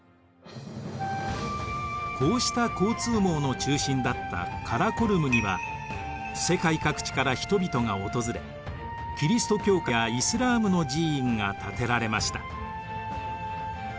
こうした交通網の中心だったカラコルムには世界各地から人々が訪れキリスト教会やイスラームの寺院が建てられました。